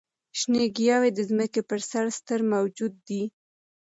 شنې ګیاوې د ځمکې پر سر ستر موجود دي.